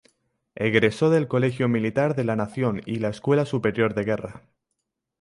Egresó del Colegio Militar de la Nación y la Escuela Superior de Guerra.